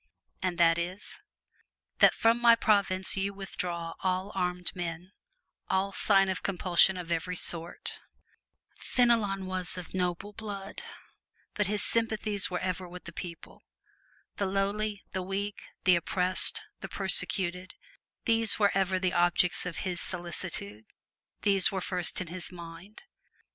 "And that is?" "That from my province you withdraw all armed men all sign of compulsion of every sort!" Fenelon was of noble blood, but his sympathies were ever with the people. The lowly, the weak, the oppressed, the persecuted these were ever the objects of his solicitude these were first in his mind.